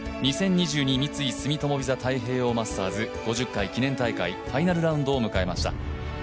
三井住友ＶＩＳＡ太平洋マスターズ５０回記念大会ファイナルラウンドを迎えました。